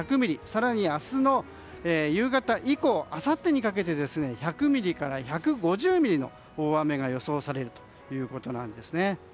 更に明日の夕方以降あさってにかけて１００ミリから１５０ミリの雨が予想されるということです。